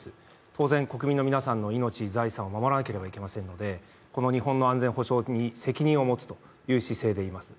当然国民の皆さんの命・財産を守らなければなりませんので、この日本の安全保障に責任を持つという姿勢でいます。